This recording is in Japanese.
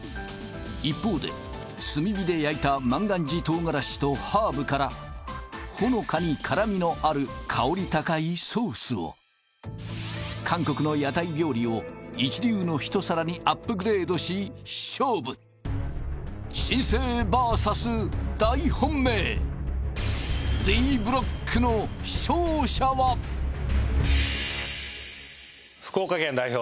一方で炭火で焼いた万願寺唐辛子とハーブからほのかに辛みのある香り高いソースを韓国の屋台料理を一流の一皿にアップグレードし勝負新星バーサス大本命Ｄブロックの勝者は福岡県代表